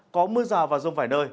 có mưa rào và rông vài nơi